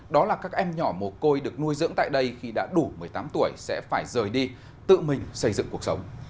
đó là các em nhỏ mồ côi được nuôi dưỡng tại đây khi đã đủ một mươi tám tuổi sẽ phải rời đi tự mình xây dựng cuộc sống